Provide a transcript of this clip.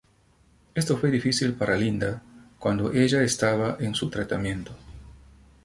Esto fue difícil para Linda cuando ella estaba en su tratamiento.